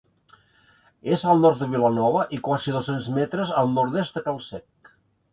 És al nord de Vilanova i quasi dos-cents metres al nord-oest de Cal Sec.